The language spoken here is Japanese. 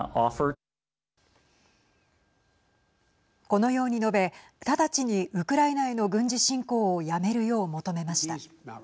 このように述べ直ちにウクライナへの軍事侵攻をやめるよう求めました。